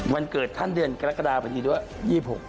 วันเกิดท่านเดือนกรกฎาพอดีด้วย